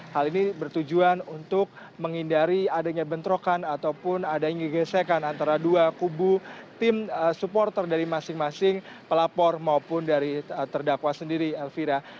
hal ini bertujuan untuk menghindari adanya bentrokan ataupun adanya gesekan antara dua kubu tim supporter dari masing masing pelapor maupun dari terdakwa sendiri elvira